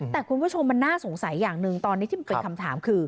แต่คุณผู้ชมมันน่าสงสัยอย่างหนึ่งตอนนี้ที่มันเป็นคำถามคือ